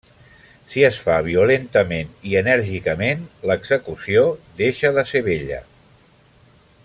Si es fa violentament i enèrgicament, l’execució deixa de ser bella.